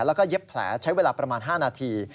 แล้วก็เย็บแผลใช้เวลาประมาณ๕นาที